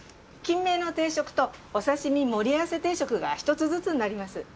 金目の定食とお刺身盛り合わせ定食が１つずつになります。